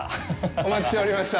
お待ちしておりました。